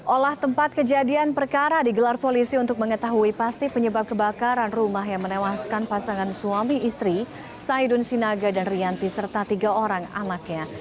olah tempat kejadian perkara digelar polisi untuk mengetahui pasti penyebab kebakaran rumah yang menewaskan pasangan suami istri saidun sinaga dan rianti serta tiga orang anaknya